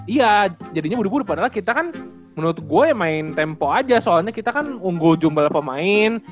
iya jadinya buru buru padahal kita kan menurut gue main tempo aja soalnya kita kan unggul jumbel pemain